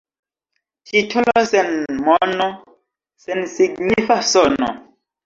Titolo sen mono — sensignifa sono.